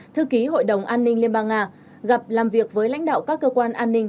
thư ký hội đồng an ninh liên bang nga gặp làm việc với lãnh đạo các cơ quan an ninh